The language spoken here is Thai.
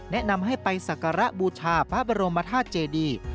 แนะนำให้ไปสักการะบูชาพระบรมธาตุเจดี